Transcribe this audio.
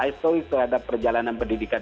akhir story terhadap perjalanan pendidikan